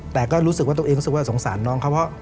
แต่ก็รู้สึกว่าตัวเองรู้สึกว่าสงสารน้องเขาเพราะ